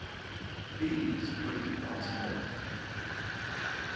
THEBES FREE ONCE MORE.